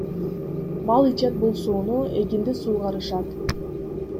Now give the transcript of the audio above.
Мал ичет бул сууну, эгинди суугарышат.